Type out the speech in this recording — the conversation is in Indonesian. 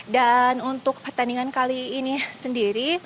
dan untuk pertandingan kali ini sendiri